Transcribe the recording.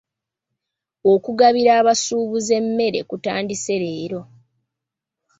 Okugabira abasuubuzi emmere kutandika leero.